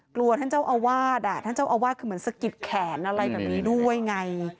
ท่านเจ้าอาวาสท่านเจ้าอาวาสคือเหมือนสะกิดแขนอะไรแบบนี้ด้วยไง